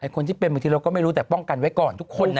คนที่เป็นบางทีเราก็ไม่รู้แต่ป้องกันไว้ก่อนทุกคนนะ